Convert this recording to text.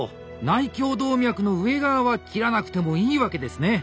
内胸動脈の上側は切らなくてもいいわけですね。